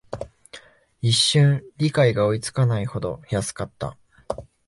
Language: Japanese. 一瞬、理解が追いつかないほど安かった